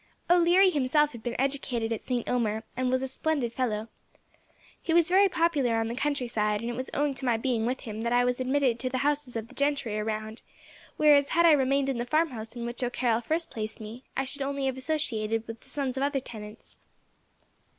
O'Leary himself had been educated at Saint Omer, and was a splendid fellow. He was very popular on the countryside, and it was owing to my being with him that I was admitted to the houses of the gentry around, whereas, had I remained in the farmhouse in which O'Carroll first placed me, I should only have associated with the sons of other tenants."